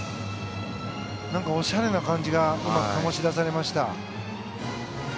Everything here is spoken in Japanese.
なんかおしゃれな感じが醸し出されました。